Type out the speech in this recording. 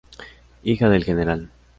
Hija del Gral.